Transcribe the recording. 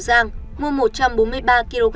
trần thị tuyết nhung mua một trăm bốn mươi ba kg